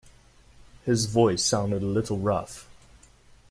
His voice sounded a little rough.